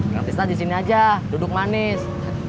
praktis di sini aja duduk manis